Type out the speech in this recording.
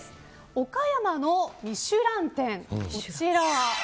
岡山のミシュラン店、こちら。